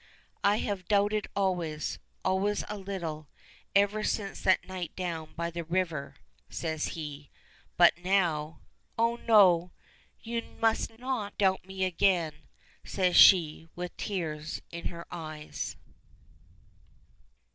"I have doubted always always a little ever since that night down by the river," says he, "but now " "Oh, no! You must not doubt me again!" says she with tears in her eyes.